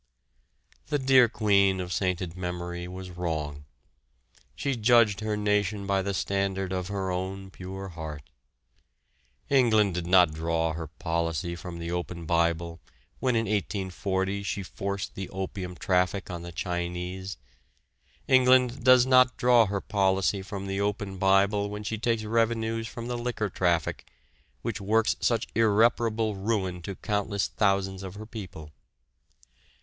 The dear Queen of sainted memory was wrong. She judged her nation by the standard of her own pure heart. England did not draw her policy from the open Bible when in 1840 she forced the opium traffic on the Chinese. England does not draw her policy from the open Bible when she takes revenues from the liquor traffic, which works such irreparable ruin to countless thousands of her people.